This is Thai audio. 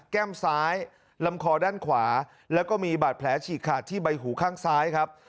แก้มซ้ายลำคอด้านขวาแล้วก็มีบาดแผลฉีกขาดที่ใบหูข้างซ้ายครับ